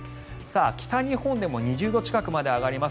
北日本でも２０度近くまで上がります。